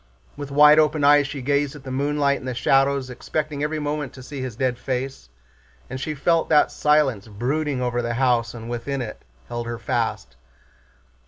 With wide open eyes she gazed at the moonlight and the shadows, expecting every moment to see his dead face, and she felt that the silence brooding over the house and within it held her fast.